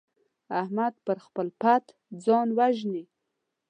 احمد پر خپل پت ځان وژني.